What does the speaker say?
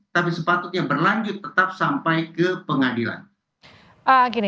tapi sepatutnya berlanjut tetap sampai ke pengadilan